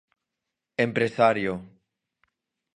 Empresario.